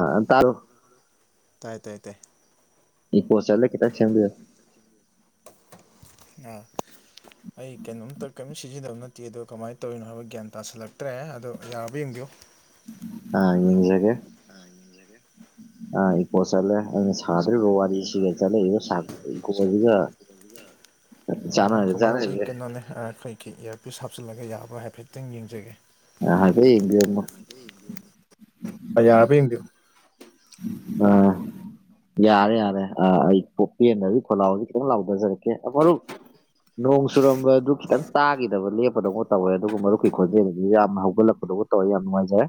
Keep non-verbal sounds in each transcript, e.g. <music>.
ꯑꯥ ꯇꯥꯔꯣ ꯇꯥꯏ ꯇꯥꯏ ꯇꯥꯏ ꯀꯣꯁꯜꯂꯦꯇꯟꯕꯤꯣ ꯑꯥ ꯑꯩ ꯀꯩꯅꯣꯝꯇ ꯀꯔꯤꯝꯇ ꯁꯤꯖꯤꯟꯅꯗꯕ ꯅꯠꯇꯦ ꯑꯗꯣ ꯀꯃꯥꯏꯅ ꯇꯧꯔꯤꯅꯣ ꯍꯥꯏꯕ ꯒ꯭ꯌꯥꯟ ꯇꯥꯥꯁꯜꯂꯛꯇ꯭ꯔꯦ ꯑꯗꯣ ꯌꯥꯕ ꯌꯦꯡꯕꯤꯌꯨ ꯑ ꯏꯁꯒꯦ ꯑ ꯏꯦ ꯑ ꯄꯣꯠ ꯆꯠꯂꯦ ꯑꯩꯅ ꯁꯥꯗ꯭ꯔꯤꯕ ꯋꯥꯔꯤꯁꯤꯒ ꯆꯠꯂꯛꯏꯕꯣꯁꯤꯒ ꯑꯣ ꯀ ꯃꯔꯣꯛ ꯑꯩ ꯀꯩꯅꯣꯅꯦ ꯑꯩꯈꯣꯏꯒꯤ ꯏꯌꯥꯔꯄꯤꯤꯁ ꯍꯥꯞꯆꯤꯜꯂꯒ ꯌꯥꯕ꯭ꯔꯥ ꯍꯥꯏꯐꯦꯠꯇꯪ ꯌꯦꯡꯖꯒꯦ ꯑ ꯍꯥꯏꯗꯩ ꯏ ꯑ ꯌꯥꯕ ꯌꯦꯡꯗꯣ ꯑꯥ ꯌꯥꯔꯦ ꯌꯥꯔꯦ ꯑꯩ ꯄ ꯄꯦꯗꯖꯤ ꯈꯣꯂꯥꯎꯖꯤ ꯈꯤꯇꯪ ꯂꯥꯎꯊꯖꯔꯛꯀꯦ ꯃꯔꯨꯞ ꯅꯣꯡ ꯆꯨꯔꯝꯕꯗꯨ ꯈꯤꯇꯪ ꯇꯥꯈꯤꯗꯕ ꯂꯦꯞꯄꯗꯧꯅ ꯇꯧꯋꯦ ꯑꯗꯨꯒꯕꯨ ꯃꯔꯨꯞꯀꯤ ꯈꯣꯟꯖꯦꯜꯗꯨꯗꯤ ꯌꯥꯝꯅ ꯍꯧꯒꯠꯂꯛꯄꯗꯧ ꯇꯧ ꯑꯅꯉꯥꯏꯖꯦ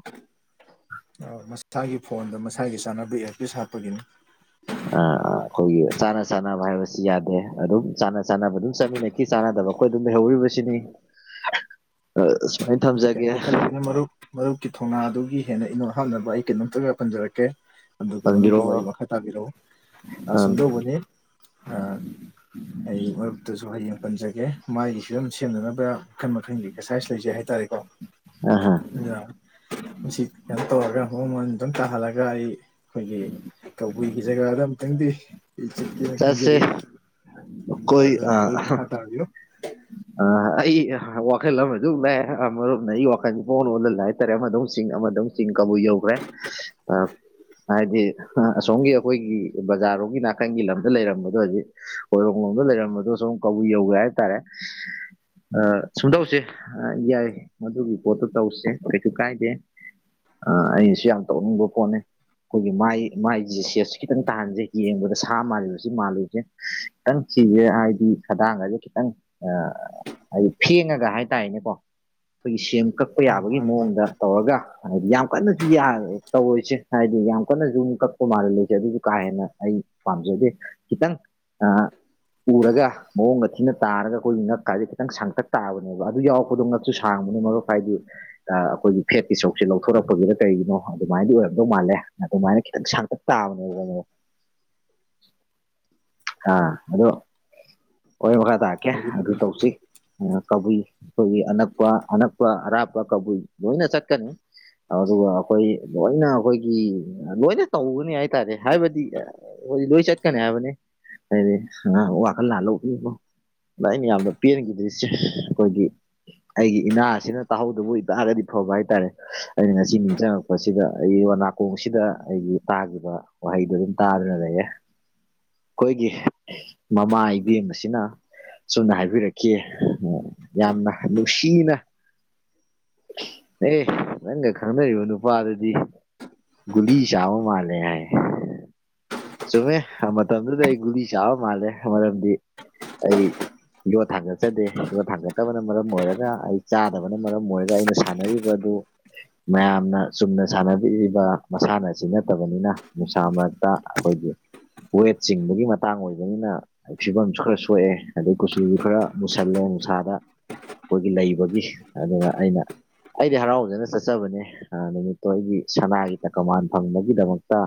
ꯃꯁꯥꯒꯤ ꯐꯣꯟꯗ ꯃꯁꯥꯒꯤ ꯆꯥꯅꯕ ꯑꯦꯔꯄꯤꯁ ꯍꯥꯞꯄꯒꯤꯅꯤ ꯑ ꯑꯈꯣꯏꯒꯤ ꯆꯥꯅ ꯆꯥꯅꯕ ꯍꯥꯏꯕꯁꯤ ꯌꯥꯗꯦ ꯑꯗꯨꯝ ꯆꯥꯅ ꯆꯥꯅꯕ ꯑꯗꯨꯝ ꯆꯠꯃꯤꯟꯅꯩ ꯀꯤ ꯆꯥꯟꯅꯗꯕ ꯑꯈꯣꯏ ꯑꯗꯨꯝ ꯂꯩꯍꯧꯔꯤꯕꯁꯤꯅꯤ ꯑ ꯁꯨꯃꯥꯏꯟ ꯊꯝꯖꯒꯦ ꯀꯩꯝꯇ ꯈꯜꯂꯨꯒꯤꯅꯣ ꯃꯔꯨꯞ ꯃꯔꯨꯞꯀꯤ ꯊꯧꯅꯥꯗꯨꯒꯤ ꯍꯦꯟꯅ ꯏꯅꯣꯠ ꯍꯥꯞꯅꯕ ꯑꯩ ꯀꯩꯅꯣꯝꯇꯒ ꯄꯟꯖꯔꯛꯀꯦ ꯑꯗꯨꯒ ꯃꯔꯨꯞꯀꯤ ꯄꯟꯕꯤꯔꯛꯑꯣ ꯋꯥꯔꯤ ꯃꯈꯥ ꯇꯥꯕꯤꯔꯛꯎ ꯑ ꯁꯨꯝꯗꯧꯕꯅꯤ ꯑ ꯑꯩ ꯃꯔꯨꯞꯇꯁꯨ ꯍꯌꯦꯡ ꯄꯟꯖꯒꯦ ꯃꯥꯒꯤꯁꯨ ꯑꯗꯨꯝ ꯁꯦꯝꯅꯅꯕ ꯃꯈꯜ ꯃꯈꯜꯒꯤ ꯑꯦꯛꯁꯔꯁꯥꯏꯁ ꯂꯩꯖꯩ ꯍꯥꯏꯇꯥꯔꯦ ꯑ ꯁꯤ ꯀꯩꯅꯣ ꯇꯧꯔꯒ ꯃꯣꯡꯃꯣꯟ ꯑꯗꯨꯝ ꯇꯥꯍꯜꯂꯒ ꯑꯩ ꯑꯩꯈꯣꯏꯒꯤ ꯀꯕꯨꯏꯒꯤ ꯖꯒꯥꯗ ꯑꯃꯨꯛꯇꯪꯗꯤ ꯆꯠꯀꯦꯅ ꯈꯟꯖꯔꯤ ꯑꯗꯨꯗ ꯇꯥꯕꯤꯣ ꯑ ꯑꯩ ꯋꯥꯈꯜ ꯑꯃ ꯑꯗꯨ ꯂꯩꯑ ꯑꯃꯔꯣꯝꯅ ꯑꯩ ꯋꯥꯈꯜ ꯄꯥꯎ ꯂ ꯑꯣꯜꯍꯂꯦ ꯍꯥꯏꯇꯥꯔꯦ ꯑꯃꯗꯧꯝ ꯆꯁꯤꯡ ꯑꯃꯗꯧ ꯆꯤꯡ ꯀꯕꯨ ꯌꯧꯈ꯭ꯔꯦ ꯑ ꯍꯥꯏꯗꯤ ꯑꯁꯣꯝꯒꯤ ꯑꯩꯈꯣꯏꯒꯤ ꯕꯖꯥꯔꯣꯝꯒꯤ ꯅꯥꯀꯟꯒꯤ ꯂꯝꯗ ꯂꯩꯔꯝꯕꯗꯣ ꯍꯧꯖꯤꯛ ꯑꯣꯏꯔꯣꯝ ꯂꯣꯝꯗ ꯂꯩꯔꯝꯕꯗꯣ ꯁꯨꯝ ꯀꯕꯨꯏ ꯌꯧꯒꯦ ꯍꯥꯏꯇꯥꯔꯦ ꯑ ꯁꯨꯝꯗꯧꯁꯦ ꯑ ꯌꯥꯏ ꯃꯗꯨꯒꯤ ꯄꯣꯠꯇꯨ ꯇꯧꯁꯦ ꯀꯩꯁꯨ ꯀꯥꯏꯗꯦ ꯑ ꯑꯩꯁꯨ ꯌꯥꯝ ꯇꯧꯅꯤꯡꯕ ꯄꯣꯟꯠꯅꯤ ꯑꯩꯈꯣꯏꯒꯤ ꯃꯥꯏ ꯃꯥꯏꯖꯦ ꯁꯦꯞꯁꯦ ꯈꯤꯇꯪ ꯇꯥꯍꯟꯁꯦ ꯌꯦꯡꯕꯗ ꯁꯥ ꯃꯥꯜꯂꯤꯕꯁꯤ ꯃꯥꯜꯂꯣꯏꯒꯦ ꯈꯤꯇꯪ ꯊꯤꯒꯦ ꯍꯥꯏꯗꯤ ꯈꯗꯥꯡꯒꯁꯦ ꯈꯤꯇꯪ ꯍꯥꯏꯗꯤ ꯐꯦꯡꯉꯒ ꯍꯥꯏꯇꯥꯔꯦꯅꯦꯀꯣ ꯑꯩꯈꯣꯏꯒꯤ ꯁꯦꯝ ꯀꯛꯄ ꯌꯥꯕꯒꯤ ꯃꯥꯅ ꯃꯥ ꯃꯑꯣꯡꯗ ꯇꯧꯔꯒ ꯍꯥꯏꯗꯤ ꯌꯥꯝ ꯀꯟꯅꯁꯨ ꯌꯥ ꯇꯧꯔꯣꯏꯁꯦ ꯍꯥꯏꯗꯤ ꯌꯥꯝ ꯀꯟꯅꯁꯨꯨ ꯀꯛꯄ ꯃꯥꯜꯂꯜꯂꯣꯏꯁꯦ ꯑꯗꯨꯁꯨ ꯀꯥ ꯍꯦꯟꯅ ꯑꯩ ꯍꯥꯏꯗꯤ ꯄꯥꯝꯖꯗꯦ ꯈꯤꯇꯪ ꯑ ꯎꯔꯒ ꯃꯑꯣꯡꯒ ꯊꯤꯅ ꯇꯥꯔꯒ ꯑꯈꯣꯏꯒꯤ ꯉꯛꯀꯥꯁꯦ ꯈꯤꯇꯪ ꯁꯥꯡꯇꯛ ꯇꯥꯕꯅꯦꯕ ꯑꯗꯨ ꯌꯥꯎꯔꯛꯄꯗꯣ ꯉꯛꯁꯨ ꯁꯥꯡꯕꯅꯤ ꯃꯔꯨꯞ ꯍꯥꯏꯗꯤ ꯑ ꯑꯩꯈꯣꯏꯒꯤ ꯐꯦꯠꯀꯤ ꯆꯔꯨꯛꯁꯦ ꯑꯥ ꯑ ꯑꯩ ꯑ ꯑ ꯑꯈꯣꯏꯒꯤ ꯐꯦꯠꯀꯤ ꯁꯔꯨꯛꯁꯤ ꯂꯧꯊꯣꯔꯛꯄꯒꯤꯔ ꯀꯩꯒꯤꯅꯣ ꯑꯗꯨꯃꯥꯏꯗꯤ ꯑꯣꯏꯔꯛꯗꯧ ꯃꯥꯜꯂꯦ ꯑꯗꯨꯃꯥꯏꯅ ꯈꯤꯇꯪ ꯁꯥꯡꯇꯛ ꯁꯥꯡꯇꯛ ꯇꯥꯅꯦꯣ ꯑꯥ ꯑꯗꯣ ꯑꯣꯏ ꯃꯈꯥ ꯇꯥꯔꯀꯦ ꯍꯥꯏꯕꯤ ꯑꯗꯨ ꯍꯥꯏꯕꯤ ꯇꯧꯁꯤ ꯀꯕꯨꯏ ꯑꯩꯈꯣꯏꯒꯤ ꯑꯅꯛꯄ ꯑꯅꯛꯄ ꯑꯔꯥꯞꯄ ꯀꯕꯨꯏ ꯂꯣꯏꯅ ꯆꯠꯀꯅꯤ ꯑꯗꯨꯒ ꯑꯩꯈꯣꯏ ꯂꯣꯏꯅ ꯑꯩꯈꯣꯏꯒꯤ ꯂꯣꯏꯅ ꯇꯧꯒꯅꯤ ꯍꯥꯏꯇꯥꯔꯦ ꯍꯥꯏꯕꯗꯤ ꯑꯣꯣꯏ ꯂꯣꯏ ꯆꯠꯀꯅꯦ ꯍꯥꯏꯕꯅꯤ ꯍꯥꯏꯗꯤ <unintelligible> ꯋꯥꯈꯜ ꯂꯥꯜ <unintelligible> ꯑꯗ ꯑꯩꯅ ꯌꯥꯝꯅ ꯄꯦꯟꯈꯤꯗ꯭ꯔꯤꯁꯦ ꯑꯈꯣꯏꯒꯤ ꯑꯩꯒꯤ ꯏꯅꯥ ꯁꯤꯅ ꯇꯥꯍꯧꯗꯕ ꯑꯣꯏ ꯇꯥꯔꯗꯤ ꯐꯕ ꯍꯥꯏꯇꯥꯔꯦ ꯑꯩꯅ ꯉꯁꯤ ꯅꯤꯡꯁꯤꯡꯉꯛꯄ ꯃꯁꯤꯗ ꯑꯩ ꯋꯣ ꯅꯥꯀꯣꯡꯁꯤꯗ ꯑꯩꯒꯤ ꯇꯥꯈꯤꯕ ꯋꯥꯍꯩꯗꯣ ꯑꯗꯨꯝ ꯇꯥꯗꯨꯅ ꯂꯩꯔꯦ ꯑꯩꯈꯣꯏꯒꯤ ꯃꯃꯥ ꯏꯕꯦꯝ ꯑꯁꯤꯅ ꯑꯨꯝꯅ ꯍꯥꯏꯕꯤꯔꯛꯈꯤ ꯌꯥꯝꯅ ꯅꯨꯡꯁꯤꯅ ꯑꯦ ꯅꯪꯒ ꯈꯪꯅꯔꯤꯕ ꯅꯨꯄꯥꯗꯨꯗꯤ ꯒꯂꯤ ꯆꯎ ꯃꯥꯂꯦ ꯌꯥ ꯆꯨꯝꯃꯦ ꯃꯇꯝꯗꯨꯗ ꯑꯩ ꯒꯨꯂꯤ ꯆꯥꯕ ꯃꯥꯜꯂꯦ ꯃꯔꯝꯗꯤ ꯑꯩ ꯌꯣꯠ ꯊꯥꯡꯒꯠꯆꯗꯦ ꯌꯣꯠ ꯊꯥꯡꯒꯠꯇꯕꯅ ꯃꯔꯝ ꯑꯣꯏꯔꯒ ꯑꯩ ꯆꯥꯗꯕꯅ ꯃꯔꯝ ꯑꯣꯏꯔꯒ ꯑꯩꯅ ꯁꯥꯟꯅꯔꯤ ꯗꯨ ꯃꯌꯥꯝꯅ ꯆꯨꯝꯅ ꯁꯥꯟꯅꯕꯤꯕ ꯃꯁꯥꯟꯅꯁꯤ ꯅꯠꯇꯕꯅꯤꯅ ꯅꯨꯡꯁꯥ ꯃꯔꯛꯇ ꯑꯩꯈꯣꯏꯒꯤ ꯋꯦꯠ ꯆꯤꯡꯕꯒꯤ ꯃꯇꯥꯡ ꯑꯣꯏꯕꯅꯤꯅ ꯐꯤꯕꯝꯁꯨ ꯈꯔ ꯁꯣꯛꯑꯦ ꯑꯗꯩ ꯀꯨꯆꯨꯁꯨ ꯈꯔ ꯃꯨꯁꯜꯂꯦ ꯅꯨꯡꯁꯥꯗ ꯑꯈꯣꯏꯒꯤ ꯂꯩꯕꯒꯤ ꯑꯗꯨꯒ ꯑꯩꯅ ꯑꯩꯗꯤ ꯍꯔꯥꯎꯖꯅ ꯆꯠꯆꯕꯅꯦ ꯅꯨꯃꯤꯠꯇꯣ ꯑꯩꯒꯤ ꯁꯅꯥꯒꯤ ꯇꯀꯃꯥꯟ ꯐꯪꯕꯒꯤꯗꯃꯛꯇ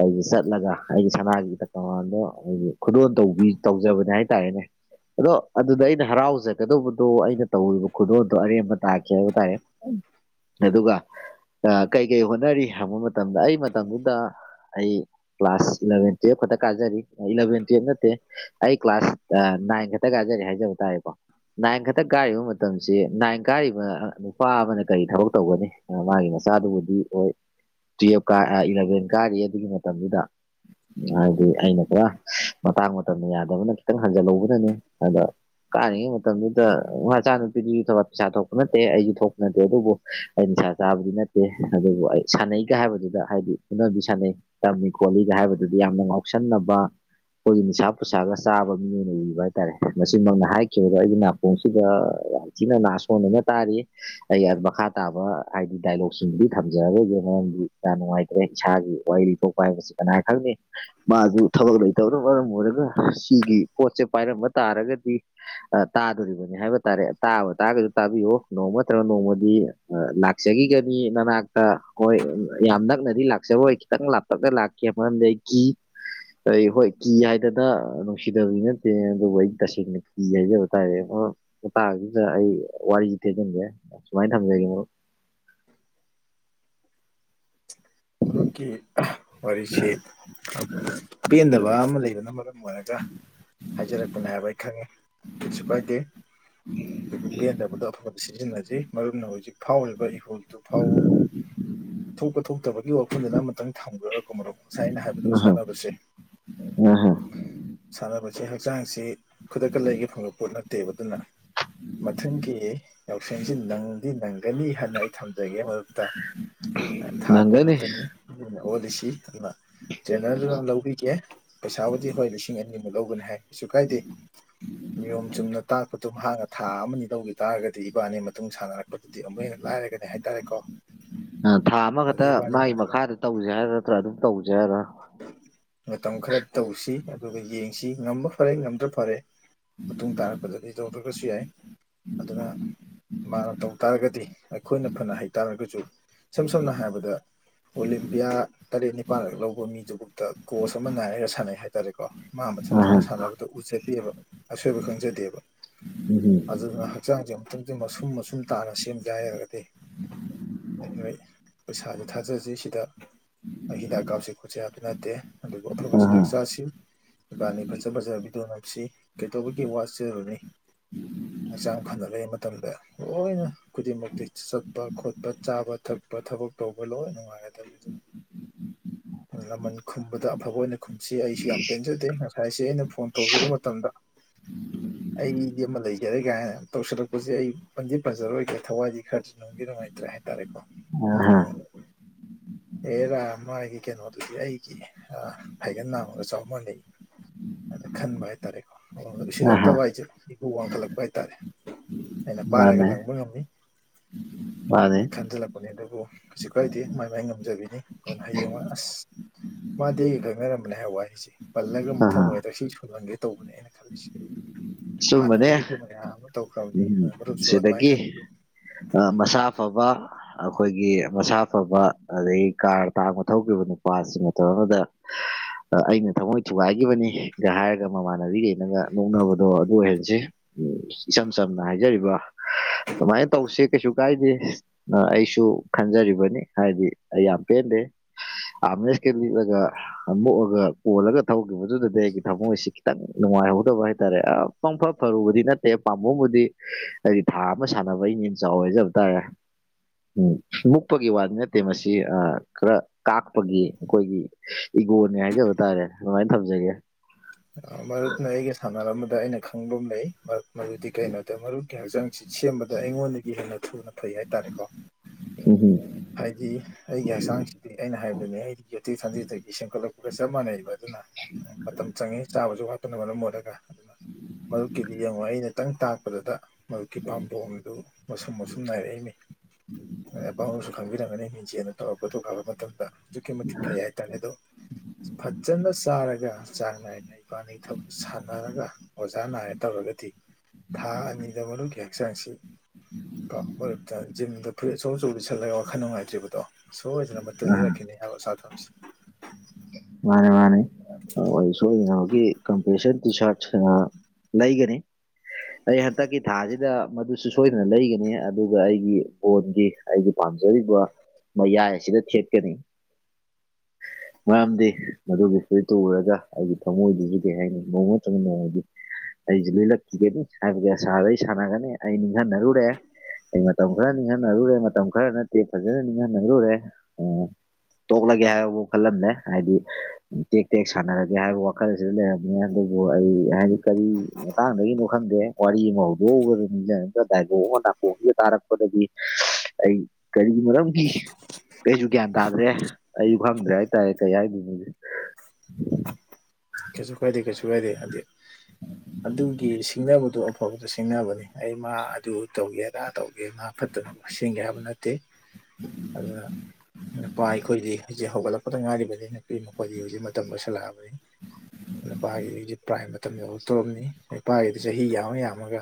ꯑꯩꯒꯤ ꯆꯠ ꯆꯠꯂꯒ ꯑꯩꯒꯤ ꯁꯅꯥꯒꯤ ꯇꯀꯃꯥꯟꯗꯣ ꯑꯩꯒꯤ ꯈꯨꯗꯣꯜ ꯇꯧꯕꯒꯤ ꯇꯧꯖꯕꯅꯦ ꯍꯥꯏꯇꯥꯔꯦꯅꯦ꯫ ꯑꯗꯣ ꯑꯗꯨꯗ ꯑꯩꯅ ꯍꯔꯥꯎꯖꯒꯗꯧꯕꯗꯣ ꯑꯩꯅ ꯇꯧꯔꯤꯕ ꯈꯨꯗꯣꯜꯗꯣ ꯑꯔꯦꯝꯕ ꯇꯥꯈꯤ ꯍꯥꯏꯕ ꯇꯥꯔꯦ꯫ ꯑꯗꯨꯗꯨꯒ ꯀꯩ ꯀꯩ ꯍꯣꯠꯅꯔꯤ ꯍꯥꯏꯪꯕ ꯃꯇꯝꯗ ꯑꯩ ꯃꯇꯝꯗꯨꯗ ꯑꯩ ꯀ꯭ꯂꯥꯁ ꯏꯂꯚꯦꯟ ꯇꯨꯌꯦꯞ ꯈꯇ ꯀꯥꯖꯔꯤ ꯏꯂꯚꯦꯟ ꯇꯨꯌꯦꯞ ꯅꯠꯇꯦ ꯑꯩ ꯀ꯭ꯂꯥꯁ ꯅꯥꯏꯟ ꯈꯇ ꯀꯥꯖꯔꯤ ꯍꯥꯏꯖꯕ ꯇꯥꯔꯦꯀꯣ ꯅꯥꯏꯟ ꯈꯛꯇ ꯀꯥꯏꯔꯤꯕ ꯃꯇꯝꯁꯤ ꯅꯥꯏꯟ ꯀꯥꯏꯔꯤꯕ ꯅꯨꯄꯥ ꯑꯃꯅ ꯀꯔꯤ ꯊꯕꯛ ꯇꯧꯒꯅꯤ? ꯃꯥꯒꯤ ꯃꯆꯥꯗꯨꯕꯨꯗꯤ ꯍꯣꯏ ꯇꯨꯌꯦꯞ ꯀꯥ ꯑꯥ ꯏꯂꯚꯦꯟ ꯀꯥꯔꯤ ꯑꯗꯨꯒꯤ ꯃꯇꯝꯗꯨꯗ꯫ ꯍꯥꯏꯕꯗꯤ ꯑꯩꯅ ꯄꯨꯔ ꯃꯇꯥꯡ ꯃꯇꯝꯗ ꯌꯥꯗꯕꯅ ꯈꯤꯇꯪ ꯍꯟꯖꯤꯜꯍꯧꯕꯅꯅꯤ ꯑꯗ ꯀꯥꯔꯤꯉꯩ ꯃꯇꯝꯗꯨꯗ ꯃꯆꯥꯅꯨꯄꯤꯗꯨꯁꯨ ꯊꯕꯛ ꯄꯩꯁꯥ ꯊꯣꯛꯄ ꯅꯠꯇꯦ ꯑꯩꯖꯨ ꯊꯣꯛꯄ ꯅꯠꯇꯦ ꯑꯗꯨꯕꯨ ꯑꯩ ꯅꯤꯁꯥ ꯆꯥꯕꯗꯤ ꯅꯠꯇꯦ ꯑꯗꯨꯕꯨ ꯑꯩ ꯁꯥꯟꯅꯩꯒ ꯍꯥꯏꯕꯗꯨꯗ ꯍꯥꯏꯗꯤ ꯐꯨꯅꯕꯤ ꯁꯥꯟꯅꯩ꯫ ꯇꯝꯃꯤ ꯈꯣꯂꯤꯒ ꯍꯥꯏꯕꯗꯨꯗꯤ ꯌꯥꯝꯅ ꯉꯥꯎꯁꯟꯅꯕ ꯈꯣꯏꯒꯤ ꯅꯤꯁꯥ ꯄꯨꯁꯥꯒ ꯆꯥꯕ ꯃꯤ ꯑꯣꯏꯅ ꯎꯕꯤꯕ ꯍꯥꯏꯇꯥꯔꯦ ꯃꯁꯤꯃꯛꯅ ꯍꯥꯏ <unintelligible> ꯑꯩꯒꯤ ꯅꯥꯀꯣꯡꯁꯤꯗ ꯌꯥꯝ ꯊꯤꯅ ꯅꯥ ꯁꯣꯟꯅꯅ ꯇꯥꯔꯤ ꯑꯩ ꯃꯈꯥ ꯇꯥꯕ ꯍꯥꯏꯗꯤ ꯗꯥꯏꯂꯣꯛꯁꯤꯡꯗꯨꯗꯤ ꯊꯝꯖꯔꯣꯏꯒꯦ ꯃꯔꯝꯗꯤ ꯀꯌꯥ ꯅꯨꯡꯉꯥꯏꯇ꯭ꯔꯦ ꯏꯁꯥꯒꯤ ꯋꯥꯔꯤ ꯂꯤꯊꯣꯛ ꯄ ꯍꯥꯏꯕꯁꯤ ꯀꯅꯥ ꯈꯪꯅꯤ ꯃꯥꯖꯨ ꯊꯕꯛ ꯂꯩꯇꯕꯅ ꯃꯔꯝ ꯑꯣꯏꯔꯒ ꯁꯤꯒꯤ ꯄꯣꯠꯁꯦ ꯄꯥꯏꯔꯝꯕ ꯇꯥꯔꯒꯗꯤ ꯇꯥꯗꯣꯔꯤꯕꯅꯤ ꯍꯥꯏꯕ ꯇꯥꯔꯦ ꯇꯥꯕ ꯇꯥꯒꯖꯨ ꯇꯥꯕꯤꯌꯣ ꯅꯣꯡꯃ ꯅꯠꯇ꯭ꯔꯒ ꯅꯣꯡꯃꯗꯤ ꯂꯥꯛꯆꯒꯤꯒꯅꯤ ꯅꯅꯥꯛꯇ ꯍꯣꯏ ꯌꯥꯝ ꯅꯛꯅꯗꯤ ꯂꯥꯛꯆꯔꯣꯏ ꯈꯤꯇꯪ ꯇꯛꯅ ꯂꯥꯛꯀꯦ ꯃꯔꯝꯗꯤ ꯑꯩ ꯀꯤ ꯑꯩ ꯍꯣꯏ ꯀꯤ ꯍꯥꯏꯗꯅ ꯅꯨꯡ ꯁꯤꯗꯕꯗꯤ ꯅꯠꯇꯦ ꯑꯗꯨꯕꯨ ꯑꯩ ꯇꯁꯦꯡꯅ ꯀꯤ ꯍꯥꯏꯖꯕ ꯇꯥꯔꯦ ꯃꯇꯥꯡꯁꯤꯗ ꯑꯩ ꯋꯥꯔꯤꯁꯤ ꯇꯦꯟꯖꯟꯒꯦ ꯁꯨꯃꯥꯏꯅ ꯊꯝꯖꯒꯦ ꯃꯔꯨꯞ ꯃꯔꯨꯞꯀꯤ ꯋꯥꯔꯤꯁꯤ ꯄꯦꯟꯗꯕ ꯑꯃ ꯂꯩꯕꯅ ꯃꯔꯝ ꯑꯣꯏꯔꯒ ꯍꯥꯏꯖꯔꯛꯄꯅꯦ ꯍꯥꯏꯕ ꯑꯩ ꯈꯪꯉꯦ ꯀꯩꯁꯨ ꯀꯥꯏꯗꯦ ꯑꯗꯨꯒ ꯄꯦꯟꯗꯕꯗꯣ ꯑꯐꯕꯗ ꯁꯤꯖꯤꯟꯅꯖꯤ ꯃꯔꯨꯞꯅ ꯍꯧꯖꯤꯛ ꯐꯥꯎꯔꯤꯕ ꯏꯍꯨꯜꯗꯨ ꯐꯥꯎ ꯊꯣꯛꯄ ꯊꯣꯛꯇꯕ ꯒꯤ ꯋꯥꯈꯜꯗꯨꯗ ꯑꯃꯇꯪ ꯊꯝꯒꯔ꯭ꯥꯒꯀꯣ ꯃꯔꯨꯞ ꯉꯁꯥꯏ ꯑꯩꯅ ꯍꯥꯏꯕꯗꯣ ꯁꯥꯟꯅꯕꯁꯦ ꯁꯥꯟꯅꯕꯁꯤ ꯍꯛꯆꯥꯡꯁꯤ ꯈꯨꯗꯛꯇ ꯂꯩꯒꯦ ꯐꯪꯕ ꯄꯣꯠ ꯅꯠꯇꯦꯕ ꯑꯗꯨꯅ ꯃꯊꯪꯒꯤ ꯌꯥꯎꯁꯪꯁꯤ ꯅꯪꯗꯤ ꯅꯪꯒꯅꯤ ꯍꯥꯏꯅ ꯑꯩ ꯊꯝꯖꯒꯦ ꯃꯔꯨꯞꯇ ꯅꯪ ꯎꯝ ꯑꯣꯗꯤꯁꯤ ꯑꯗꯨꯒ ꯇꯦꯜꯂꯔꯗꯨꯅ ꯂꯧꯕꯤꯒꯦ ꯄꯩꯁꯥꯕꯨꯗꯤ ꯍꯣꯢ ꯂꯤꯁꯤꯡ ꯑꯅꯤꯃꯨꯛ ꯂꯧꯒꯅꯤ ꯍꯥꯏ ꯀꯩꯁꯨ ꯀꯥꯏꯗꯦ ꯅꯤꯌꯣꯝ ꯆꯨꯝꯅ ꯇꯥꯛꯄꯗꯨ ꯃꯍꯥꯛꯅ ꯊꯥ ꯑꯃꯅꯤ ꯂꯧꯒ ꯇꯥꯥꯔꯒꯗꯤ ꯏꯕꯥꯅꯤ ꯃꯇꯨꯡ ꯁꯥꯟꯅꯔꯛꯄꯗꯨꯗꯤ ꯑꯃꯨꯛ ꯍꯦꯟꯅ ꯂꯥꯏꯔꯒꯅꯤ ꯍꯥꯏꯇꯥꯔꯦꯀꯣ ꯑ ꯊꯥ ꯑꯗꯨ ꯑꯃꯈꯠꯇ ꯃꯥꯏ ꯏꯕꯥꯅꯤꯅ ꯃꯈꯥꯗ ꯇꯧꯖꯦ ꯍꯥꯏꯔ ꯅꯠꯇ꯭ꯔꯥ ꯑꯗꯨꯝ ꯇꯧꯖꯦ ꯍꯥꯏꯔ ꯃꯇꯝ ꯈꯔ ꯇꯧꯁꯤ ꯑꯗꯨꯒ ꯌꯦꯡꯁꯤ ꯉꯝꯃ ꯐꯔꯦ ꯉꯝꯗ꯭ꯔ ꯐꯔꯦ ꯃꯇꯨꯡ ꯇꯥꯔꯛꯄꯗꯗꯤ ꯇꯧꯗꯔꯒꯁꯨ ꯌꯥꯏ ꯑꯗꯨꯅ ꯃꯥꯅ ꯇꯧ ꯇꯥꯔꯒꯗꯤ ꯑꯩꯈꯣꯏꯅ ꯐꯅ ꯍꯩꯇꯥꯥꯔꯒꯁꯨ ꯏꯁꯝ ꯁꯝꯅ ꯍꯥꯏꯔꯕꯗ ꯑꯣꯂꯦꯝꯄꯤꯌꯥ ꯇꯔꯦꯠ ꯅꯤꯄꯥꯜ ꯂꯛ ꯂꯧ ꯕ ꯃꯤꯗꯨꯕꯛꯇ ꯀꯣꯆ ꯑꯃ ꯅꯥꯏꯔꯒ ꯁꯥꯟꯅꯩ ꯍꯥꯏ ꯇꯥꯔꯦꯀꯣ ꯃꯥ ꯃꯊꯟꯗꯅ ꯁꯥꯟꯅꯕꯗꯨ ꯎꯖꯗꯦꯕ ꯑꯁꯣꯏꯕ ꯈꯪꯖꯗꯦꯕ ꯎꯝ ꯑꯗꯨꯅ ꯆꯥꯡꯖꯦ ꯑꯝꯇꯪꯗꯤ ꯃꯁꯨꯝ ꯃꯁꯨꯝ ꯇꯥꯅ ꯁꯦꯝꯖꯦ ꯍꯥꯏ ꯔꯒꯗꯤ ꯑꯩꯈꯣꯏ ꯄꯩꯁꯥꯖꯨ ꯊꯥꯖꯁꯤ ꯁꯤꯗ ꯑꯩ ꯍꯤꯗꯥꯛ ꯀꯥꯞꯁꯦ ꯈꯣꯠꯁꯦ ꯍꯥꯏꯕ ꯅꯠꯇꯦ ꯑꯗꯨꯕꯨ ꯑꯐꯕ ꯑꯍꯥ ꯆꯤꯟꯖꯥꯛ ꯆꯥꯁꯤ ꯏꯕꯥꯅꯤ ꯐꯖ ꯐꯖ ꯕꯤꯗꯤꯑꯣ ꯅꯝꯁꯤ ꯀꯩꯗꯧꯕꯒꯤ ꯋꯥꯠꯆꯔꯨꯅꯤ ꯍꯛꯆꯥꯡ ꯐꯅꯕꯩ ꯃꯇꯝꯗ ꯂꯣꯏꯅ ꯈꯨꯗꯤꯡꯃꯛꯇꯤ ꯆꯠꯄ ꯈꯣꯠꯄ ꯆꯥꯕ ꯊꯛꯄ ꯊꯕꯛ ꯇꯧꯕ ꯂꯣꯏ ꯅꯨꯡꯉꯥꯏꯔꯗꯕ ꯑꯗꯨꯅ ꯂꯃꯟ ꯈꯨꯝꯕꯗ ꯑꯐꯕ ꯑꯣꯏꯅ ꯈꯨꯝꯁꯤ ꯑꯩꯁꯨ ꯌꯥꯝ ꯄꯦꯟꯖꯗꯦ ꯉꯁꯥꯏꯁꯦ ꯑꯩꯅ ꯐꯣꯟ ꯇꯧꯖꯔꯨ ꯃꯇꯝꯗ <inaudible> ꯑꯩꯗꯤ ꯑꯃ ꯂꯩꯖꯔꯦ ꯀꯥꯏꯅ ꯇꯧꯁꯤꯜꯂꯛꯄꯁꯦ ꯑꯩ ꯄꯟꯗꯤ ꯄꯟꯖꯔꯣꯏꯒꯦ ꯊꯋꯥꯏꯗꯤ ꯈꯔꯗꯤ ꯅꯨꯡꯗꯤ ꯅꯨꯡꯉꯥꯏꯇ꯭ꯔꯦ ꯍꯥꯏꯇꯥꯔꯦꯀꯣ ꯑ ꯍꯥ ꯑꯗꯨꯅ ꯑꯦꯔꯥ ꯃꯥꯒꯤ ꯀꯩꯅꯣꯠ ꯇꯨꯗꯤ ꯑꯩꯒꯤ ꯐꯥꯏꯒꯟ ꯅꯥꯝꯃꯒ ꯆꯥꯎ ꯃꯅꯩ ꯑꯅ ꯈꯟꯕ ꯍꯥꯏꯇꯥꯔꯦꯀꯣ ꯑꯣ ꯑꯍꯥ ꯎꯁꯤꯠꯔꯛꯇꯕ ꯍꯥꯏꯖꯦ ꯏꯄꯨ ꯋꯥꯡꯈꯠꯂꯛꯄ ꯍꯥꯏꯇꯥꯔꯦ ꯑꯩꯅ ꯄꯥꯏꯔꯒ ꯃꯥꯅꯦ ꯂꯪꯕ ꯉꯝꯃꯤ ꯃꯥꯅꯦ ꯑ ꯈꯟꯖꯤꯜꯂꯄ ꯄꯅꯤ ꯑꯗꯨꯕꯨ ꯀꯩꯁꯨ ꯀꯥꯏꯗꯦ ꯃꯥꯏ ꯃꯥꯏ ꯉꯝꯖꯕꯤꯅꯤ ꯑꯗꯨꯅ ꯍꯌꯦꯡꯋꯥꯏ ꯑꯁ ꯃꯥꯗꯤ ꯑꯩꯒ ꯈꯪꯅꯔꯝꯕꯅꯦ ꯍꯥꯏꯕ ꯋꯥ ꯍꯥꯏꯁꯦ ꯄꯜꯂꯒ ꯃꯊꯪ ꯑꯍꯥ ꯑꯣꯏꯔꯒ ꯁꯤ ꯁꯣꯟꯍꯟꯒꯦ ꯇꯧꯕꯅꯦ ꯑꯩꯅ ꯈꯜꯂꯤꯁꯦ ꯁꯨꯝꯕꯅꯦ ꯍꯥꯟꯅꯔꯦꯁꯨ ꯅ ꯇ ꯈꯥꯎꯅꯤ ꯎꯝ ꯑꯃ ꯁ꯭ꯋꯥꯗ ꯃ ꯈꯥꯟꯕꯤ ꯁꯤꯗꯒꯤ ꯃꯁꯥ ꯐꯕ ꯑꯩꯈꯣꯏꯒꯤ ꯃꯁꯥ ꯐꯕ ꯑꯗꯒꯤ ꯀꯥꯔ ꯇꯥꯡꯕ ꯊꯧꯈꯤꯕ ꯅꯨꯄꯥꯁꯤꯡ ꯃꯇꯝ ꯑꯃꯗ ꯑꯩꯅ ꯊꯃꯣꯏ ꯊꯨꯒꯥꯏꯒꯤꯈꯤꯕꯅꯤꯒ ꯍꯥꯏꯔꯒ ꯃꯃꯥꯟꯅꯕꯤꯒꯩꯅꯒ ꯅꯣꯛꯅꯕ ꯑꯗꯣ ꯑꯗꯨ ꯑꯣꯏꯍꯜꯂꯁꯤ ꯎꯝ ꯏꯁꯝ ꯁꯝꯅ ꯍꯥꯏꯖꯔꯤꯕ ꯑꯗꯨꯃꯥꯏꯅ ꯇꯧꯁꯦ ꯀꯩꯁꯨ ꯀꯥꯏꯗꯦ ꯑꯩꯁꯨ ꯈꯟꯖꯔꯤꯕꯅꯤ ꯍꯥꯏꯗꯤ ꯑꯩ ꯌꯥꯝ ꯄꯦꯟꯗꯦ ꯑꯃꯦꯁ ꯀ ꯂꯤ ꯖ ꯍꯥꯣꯛꯑꯒ ꯀꯣꯜꯂꯒ ꯊꯧꯈꯤꯕꯗꯨꯗꯗꯤ ꯑꯩꯒꯤ ꯊꯝꯃꯣꯏꯁꯤ ꯈꯤꯇꯪ ꯅꯨꯡꯉꯥꯏꯍꯧꯗꯕ ꯍꯥꯏꯔꯦ ꯍꯥꯏꯔꯦ ꯄꯪꯐ ꯐꯔꯨꯕꯗꯤ ꯅꯠꯇꯦ ꯄꯥꯝꯕꯣꯕꯨꯗꯤ ꯍꯥꯏꯗꯤ ꯊꯥ ꯑꯃ ꯁꯥꯟꯅꯕ ꯑꯩꯅ ꯌꯥꯝ ꯆꯥꯎꯋꯦ ꯍꯥꯏꯖꯕ ꯇꯥꯏꯌ‌ꯦ ꯎꯝ ꯃꯨꯛꯄꯒꯤ ꯋꯥꯗꯤ ꯅꯠꯇꯦ ꯃꯁꯤ ꯈꯔ ꯀꯥꯛꯄꯒꯤ ꯑꯩꯈꯣꯏꯒꯤ ꯏꯒꯣꯅꯦ ꯍꯥꯏꯖꯕ ꯇꯥꯔꯦ ꯑꯗꯨꯃꯥꯏꯅ ꯊꯝꯖꯒꯦ ꯃꯔꯨꯞꯅ ꯑꯩꯒꯤ ꯁꯥꯟꯅꯔꯝꯕꯗ ꯑꯩꯅ ꯈꯪꯕ ꯑꯃ ꯂꯩ ꯃꯗꯨꯗꯤ ꯀꯩꯅꯣꯗ ꯃꯔꯨꯞꯀꯤ ꯍꯛꯆꯥꯡꯁꯤ ꯁꯦꯝꯕꯗ ꯑꯩꯉꯣꯟꯗꯒꯤ ꯍꯦꯟꯅ ꯊꯨꯅ ꯐꯩ ꯍꯥꯏꯇꯥꯔꯦꯀꯣ ꯎ ꯍꯨꯝ ꯍꯥꯏꯗꯤ ꯑꯩꯒꯤ ꯍꯛꯆꯥꯡꯁꯤꯗꯤ ꯑꯩꯅ ꯍꯥꯏꯕꯅꯤ ꯑꯩꯗꯤ ꯌꯊꯦꯛ ꯊꯟꯖꯦꯠꯇꯒꯤ ꯁꯦꯝꯒꯠꯂꯛꯄꯒ ꯆꯞ ꯃꯥꯟꯅꯩꯔꯤꯕ ꯑꯗꯨꯅ ꯃꯇꯝ ꯆꯪꯉꯤ ꯆꯥꯕꯁꯨ ꯋꯥꯄꯅ ꯃꯔꯝ ꯑꯣꯏꯔꯒ ꯑꯗꯨꯅ ꯃꯔꯨꯞꯀꯤꯗꯤ ꯌꯦꯡꯉꯨꯏ ꯑꯩꯅ ꯈꯤꯇꯪ ꯇꯥꯛꯄꯗꯨꯗ ꯃꯗꯨꯛꯀꯤ ꯄꯥꯝꯕꯣꯝꯗꯨ ꯃꯁꯨꯝ ꯃꯁꯨꯝ ꯅꯥꯏꯔꯛꯏꯅꯤꯁꯨꯝ ꯅ ꯌꯦꯦꯟꯁꯦꯅ ꯇꯧꯔꯒꯄ ꯊꯣꯛꯣꯂꯛꯑꯕ ꯃꯇꯝꯗ ꯑꯗꯨꯛꯀꯤ ꯃꯇꯤꯛ ꯐꯩ ꯍꯥꯏꯇꯥꯔꯦ ꯑꯗꯣ ꯐꯠꯖꯅ ꯁꯥꯔꯒ ꯆꯥꯡꯅꯥꯏꯅ ꯏꯕꯥꯅꯤ ꯊꯕꯛꯛꯇ ꯁꯥꯟꯅꯔꯒ ꯑꯣꯖꯥ ꯅꯥꯏꯔ ꯇꯧꯔꯒꯗꯤ ꯊꯥ ꯑꯅꯤꯗ ꯃꯅꯨꯡꯒꯤ ꯍꯛꯆꯥꯡꯁꯤ ꯀ ꯃꯔ ꯖꯤꯝꯗ ꯐꯨꯔꯤꯠ ꯑꯆꯧ ꯑꯆꯧꯕꯗ ꯁꯠꯂꯒ ꯋꯥꯈꯜ ꯅꯨꯡꯉꯥꯏꯇ꯭ꯔꯤꯕꯗꯣ ꯁꯣꯏꯗꯅ ꯃꯠꯇꯔꯦꯅꯤ ꯑꯕ ꯁꯥ ꯑꯃꯁꯁ ꯃꯥꯅꯦ ꯃꯥꯅꯦ ꯑꯩ ꯁꯣꯏꯗꯅꯃꯛꯒꯤ ꯀꯝꯄꯁꯟ ꯇꯨꯁꯔꯠ ꯂꯩꯒꯅꯤ ꯑꯩ ꯍꯟꯗꯛꯀꯤ ꯊꯥꯁꯤꯗ ꯃꯗꯨꯁꯨ ꯁꯣꯏꯗꯅ ꯂꯩꯒꯅꯤ ꯑꯗꯨꯒ ꯑꯩꯒꯤ ꯐꯣꯟꯒꯤ ꯑꯩꯒꯤ ꯄꯥꯝꯖꯔꯤꯕ ꯃꯌꯥꯏ ꯑꯁꯤꯗ ꯊꯦꯠꯀꯅꯤ ꯃꯔꯝꯗꯤ ꯃꯗꯨꯒꯤꯁꯨ ꯇꯧꯔꯒ ꯑꯩꯒꯤ ꯊꯃꯣꯏꯗꯨꯁꯨ ꯀꯩ ꯍꯥꯏꯅꯤ ꯃꯡ ꯅꯠꯇ꯭ꯔꯒ ꯅꯣꯡꯃꯗꯤ ꯑꯩꯁ ꯂꯣꯏꯂꯛꯈꯤꯒꯦꯅꯤ ꯍꯥꯏꯕꯒ ꯁꯥꯩ ꯁꯥꯟꯅꯒꯅꯤ ꯑꯩ ꯅꯤꯡꯍꯟꯅꯔꯨꯔꯦ ꯑꯩ ꯃꯇꯝ ꯈꯔ ꯅꯤꯡꯍꯟꯅꯔꯨꯔꯦ ꯃꯇꯝ ꯈꯔ ꯅꯠꯇꯦ ꯐꯖꯅ ꯅꯤꯡꯍꯟꯅꯔꯨꯔꯦ ꯎ ꯇꯣꯀꯂꯒ ꯌꯥ ꯍꯥꯏ ꯋꯥ ꯀꯜꯂꯂꯝꯅꯦ ꯍꯥꯏꯗꯤ ꯇꯦꯛ ꯇꯦꯛ ꯁꯥꯟꯅꯔꯒꯦ ꯍꯥꯏꯕ ꯋꯥꯈꯜꯁꯤꯁꯨ ꯂꯩꯔꯝꯃꯦ ꯑꯗꯨꯕꯨ ꯑꯩ ꯍꯥꯏꯗꯤ ꯀꯔꯤ ꯃꯇꯥꯡꯗꯒꯤꯅꯣ ꯈꯪꯗꯦ ꯋꯥꯔꯤ ꯑꯃ ꯍꯧꯗꯣꯛꯧꯕꯗꯅꯤꯅ ꯑꯗꯨ ꯗꯥꯏꯂꯣꯛ ꯑꯃ ꯅꯥꯄꯣꯡꯒ ꯇꯥꯔꯛꯄꯗꯒꯤ ꯑꯩ ꯀꯔꯤꯒꯤ ꯃꯔꯝꯒꯤ ꯀꯩꯁꯨ ꯒ꯭ꯌꯥꯟ ꯇꯥꯗ꯭ꯔꯦ ꯑꯩꯁꯨ ꯐꯪꯗ꯭ꯔꯦ ꯍꯥꯏꯇꯥꯔꯦ ꯀꯩ ꯍꯥꯏꯗꯣꯏꯅꯣꯦ ꯀꯩꯁꯨ ꯀꯥꯏꯗꯦ ꯀꯩꯁꯨ ꯀꯥꯏꯗꯦ ꯍꯥꯏꯗꯤ <unintelligible> ꯑꯗꯨꯒꯤ ꯁꯤꯡꯅꯕꯗꯣ ꯑꯐꯕꯗꯣ ꯁꯤꯡꯅꯕꯅꯤ ꯑꯩ ꯃꯥ ꯑꯗꯨ ꯇꯧꯒꯦ ꯑꯗꯥ ꯇꯧꯒꯦ ꯃꯥ ꯐꯦ ꯁꯦꯝꯦꯡꯒꯦ ꯍꯥꯏꯕ ꯅꯠꯇꯦ ꯑꯗꯨꯅ ꯅꯨꯄꯥ ꯑꯩꯈꯣꯏꯗꯤ ꯍꯧꯛ ꯍꯧꯒꯠꯂꯛꯄꯗ ꯉꯥꯏꯔꯤꯕꯅꯤ ꯅꯨꯄꯤ ꯃꯈꯣꯏꯒꯤ ꯍꯧꯖꯤꯛ ꯃꯇꯝ ꯂꯣꯏꯁꯤꯜꯂꯛꯑꯕꯅꯤ ꯅꯨꯄꯥꯒꯤꯖꯤꯠ ꯄ꯭ꯔꯥꯏ ꯃꯇꯝ ꯌ ꯍꯧ ꯇꯧꯔꯝꯃꯤ ꯅꯨꯄꯥꯒꯤꯗꯨ ꯆꯍꯤ ꯌꯥꯝꯃ ꯌꯥꯝꯃꯒ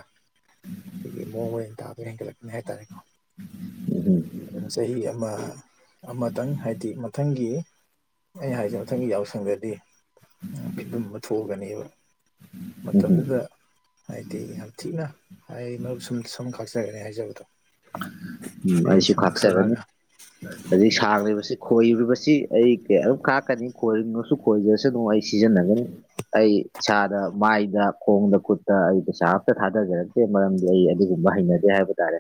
ꯑꯩꯒꯤ ꯃꯣꯔ ꯑꯗꯨꯣ ꯍꯒꯂꯛꯅꯦ ꯍꯥꯏ ꯇꯔꯦꯀꯣ ꯎ ꯎꯝ ꯑꯗꯨꯅ ꯆꯍꯤ ꯑꯃ ꯑꯃꯇꯪ ꯍꯥꯏꯗꯤ ꯃꯊꯪꯒꯤ ꯑꯩ ꯍꯥꯏꯁꯦ ꯃꯊꯪꯒꯤ ꯌꯥꯎꯁꯪꯗꯗꯤ ꯐꯤꯕꯝ ꯑꯃ ꯊꯣꯛꯑꯒꯅꯦꯕ ꯎꯝ ꯃꯇꯝꯗꯨꯗ ꯍꯥꯏꯗꯤ ꯌꯥꯝ ꯊꯤꯅ ꯑꯩ ꯃꯔꯨꯞ ꯁꯨꯝ ꯁꯨꯝ ꯀꯥꯛꯆꯔꯅꯤ ꯍꯥꯏꯖꯕꯗꯣ ꯑꯩ ꯑꯩꯁꯨꯨ ꯁꯝ ꯈꯥꯛꯁ ꯑꯗꯨ ꯈꯥꯛꯑꯒ ꯑꯗꯩ ꯁꯥꯡꯂꯤꯕꯁꯤ ꯈꯣꯏꯔꯤꯕꯁꯤ ꯑꯩ ꯀꯝ ꯀꯥꯛꯀꯅꯤ ꯈꯣꯏꯅꯣꯁꯨ ꯈꯣꯏꯗꯁꯨ ꯑꯗꯨꯝ ꯑꯩ ꯁꯤꯖꯤꯟꯅꯒꯅꯤ ꯑꯩ ꯏꯁꯥꯗ ꯃꯥꯏꯗ ꯈꯣꯡꯗ ꯈꯨꯠꯇ ꯑꯩ ꯄꯩꯁꯥ ꯑꯝꯇ ꯊꯥꯗꯖꯔꯒꯦ ꯁꯤꯦ ꯃꯔꯝꯗꯤ ꯑꯩ ꯑꯗꯨꯒꯨꯝꯕ ꯍꯩꯅꯗꯦ ꯍꯥꯏꯕ ꯇꯥꯔꯦ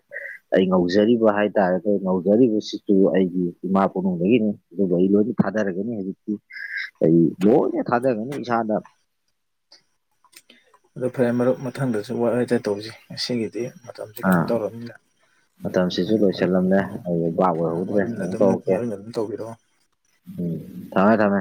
ꯑꯩ ꯉꯧꯖꯔꯤꯕ ꯍꯥꯏꯇꯥꯔꯦꯗꯤ ꯉꯧꯖꯔꯤꯕꯁꯤꯁꯨ ꯑꯩꯒꯤ ꯏꯃꯥ ꯄꯨꯝꯕꯗꯒꯤꯅꯤ ꯑꯗꯨꯒ ꯑꯩ ꯂꯣꯏꯅ ꯊꯥꯗꯔꯒꯅꯤ ꯍꯧꯖꯤꯛꯇꯤ ꯑꯩ ꯂꯣꯏꯅ ꯊꯥꯗꯒꯅꯤ ꯏꯁꯥꯗ ꯑꯗꯨꯣ ꯐꯔꯦ ꯃꯔꯨꯞ ꯃꯊꯪꯗꯁꯨ ꯋꯥꯔꯤꯇ ꯇꯧꯁꯤ ꯉꯒꯤꯗꯤ ꯃꯇꯝꯁꯤꯦ ꯀꯩꯅꯣ ꯑꯥ ꯇꯧꯔꯕꯅꯤꯅ ꯃꯇꯝꯁꯤꯁꯨ ꯃꯔꯨꯞ ꯂꯣꯏꯁꯤꯜꯂꯝꯂꯦ ꯑꯛ ꯑꯣꯏꯍꯧꯗ꯭ꯔꯦ ꯃꯔꯨꯞꯅ ꯑꯗꯨꯝ ꯇꯧꯔꯛꯀꯦ ꯃꯔꯨꯞꯅ ꯑꯗꯨꯝ ꯇꯧꯕꯤꯔꯛꯑꯣ ꯎꯝ ꯊꯝꯃꯦ ꯊꯝꯃꯦ